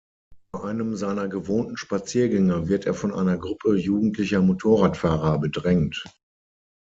Bei einem seiner gewohnten Spaziergänge wird er von einer Gruppe jugendlicher Motorradfahrer bedrängt.